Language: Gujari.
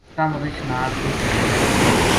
تم رچھ ناڑ کے کریں